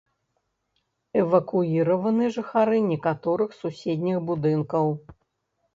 Эвакуіраваны жыхары некаторых суседніх будынкаў.